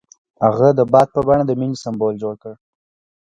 هغه د باد په بڼه د مینې سمبول جوړ کړ.